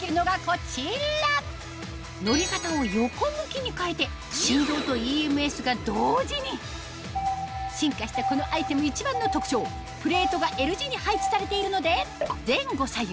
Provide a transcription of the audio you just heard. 乗り方を横向きに変えて振動とＥＭＳが同時に進化したこのアイテム一番の特徴プレートがＬ字に配置されているので前後左右